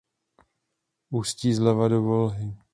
Ústí zleva do Volhy.